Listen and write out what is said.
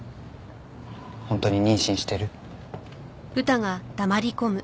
本当に妊娠してる？